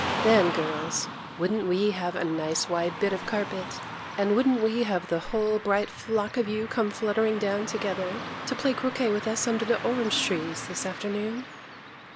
Then, girls, wouldn't we have a nice wide bit of carpet? and wouldn't we have the whole bright flock of you come fluttering down together to play croquet with us under the orange trees this afternoon?